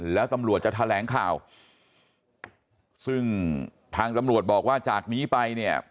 แล้วตำรวจจะแถลงข่าวซึ่งทางตำรวจบอกว่าจากนี้ไปเนี่ย